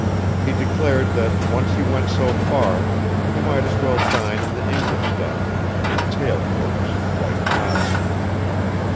He declared that once you went so far you might as well dine in the English style in tail coats and white ties.